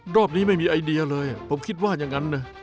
รอบนี้ไม่มีไอเดียเลยผมคิดว่าอย่างนั้นนะ